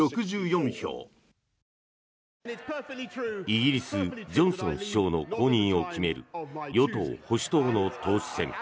イギリス、ジョンソン首相の後任を決める与党・保守党の党首選。